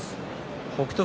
北勝